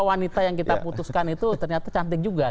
wanita yang kita putuskan itu ternyata cantik juga